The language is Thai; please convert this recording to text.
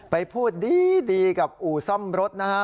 ไปพูดดีกับอู่ซ่อมรถนะครับนะฮะ